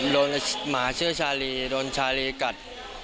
หมาชื่อชาลีโดนชาลีกัด